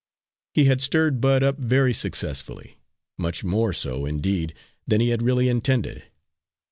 He had stirred Bud up very successfully much more so, indeed, than he had really intended.